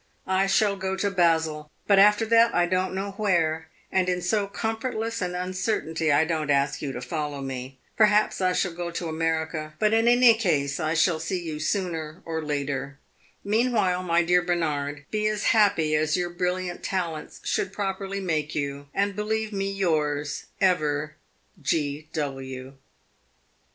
I shall go to Basel, but after that I don't know where, and in so comfortless an uncertainty I don't ask you to follow me. Perhaps I shall go to America; but in any case I shall see you sooner or later. Meanwhile, my dear Bernard, be as happy as your brilliant talents should properly make you, and believe me yours ever, "G.W.